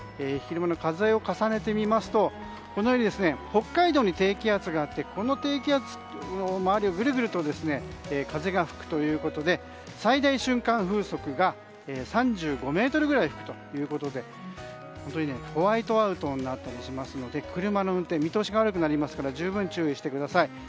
昼間の風を重ねてみますと北海道に低気圧があってこの低気圧の周りをぐるぐると風が吹くということで最大瞬間風速が３５メートルぐらい吹くということでホワイトアウトになったりしますので車の運転では見通しが悪くなりますから十分、注意してください。